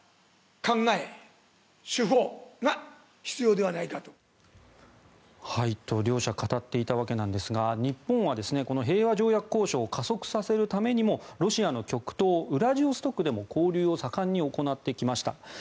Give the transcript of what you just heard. こちら、ご覧ください。と、両者語っていたわけなんですが日本はこの平和条約交渉を加速させるためにもロシアの極東ウラジオストクでも交流を盛んに行ってきました。